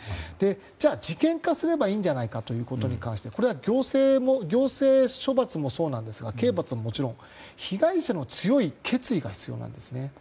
じゃあ事件化すればいいんじゃないかということに関してこれは行政処罰もそうなんですが刑罰ももちろん被害者の強い決意が必要なんですね。